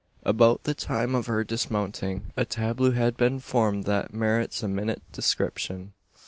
About the time of her dismounting, a tableau had been formed that merits a minute description.